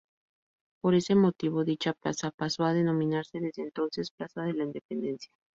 Por ese motivo dicha plaza pasó a denominarse desde entonces "Plaza de la Independencia".